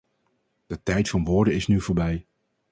De tijd van woorden is nu voorbij!